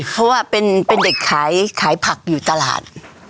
เพราะว่าเป็นเด็กขายผักอยู่ตลาด